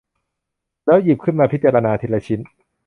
แล้วหยิบขึ้นมาพิจารณาทีละชิ้น